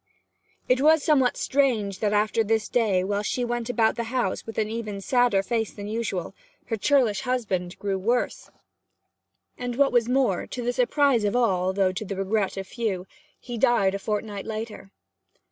It was somewhat strange that after this day, while she went about the house with even a sadder face than usual, her churlish husband grew worse; and what was more, to the surprise of all, though to the regret of few, he died a fortnight later.